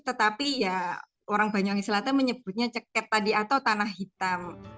tetapi ya orang banyuwangi selatan menyebutnya ceket tadi atau tanah hitam